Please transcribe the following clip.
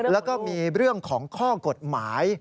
แล้วก็มีเรื่องของข้อกฎหมาย